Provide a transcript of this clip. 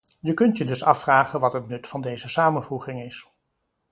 Je kunt je dus afvragen wat het nut van deze samenvoeging is.